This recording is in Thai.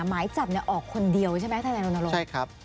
หมายจับเนี่ยออกคนเดียวใช่ไหมท่านแนนอลโนโลใช่ครับ